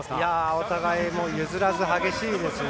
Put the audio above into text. お互い譲らず激しいですね。